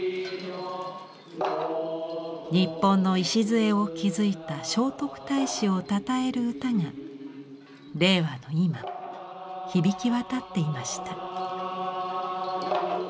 日本の礎を築いた聖徳太子をたたえる歌が令和の今も響き渡っていました。